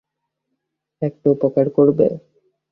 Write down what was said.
একটা উপকার করবে?